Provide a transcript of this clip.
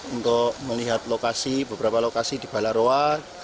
untuk melihat lokasi beberapa lokasi di balaroa